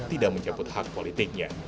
tidak mencabut hak politiknya